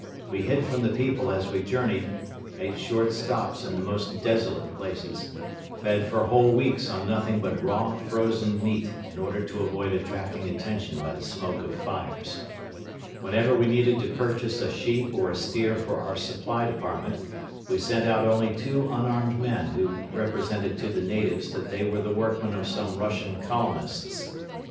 We hid from the people as we journeyed, made short stops in the most desolate places, fed for whole weeks on nothing but raw, frozen meat in order to avoid attracting attention by the smoke of fires. Whenever we needed to purchase a sheep or a steer for our supply department, we sent out only two unarmed men who represented to the natives that they were the workmen of some Russian colonists.